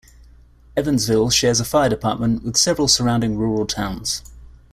Evansville shares a fire department with several surrounding rural towns.